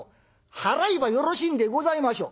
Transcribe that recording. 払えばよろしいんでございましょ？」。